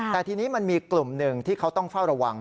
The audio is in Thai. แต่ทีนี้มันมีกลุ่มหนึ่งที่เขาต้องเฝ้าระวัง